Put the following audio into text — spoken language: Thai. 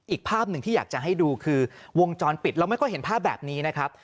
อีกภาพหนึ่งที่อยากจะให้ดูคือวงจรปิดเราไม่ค่อยเห็นภาพแบบนี้นะครับ